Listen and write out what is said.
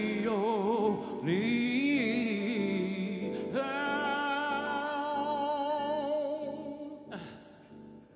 ああ。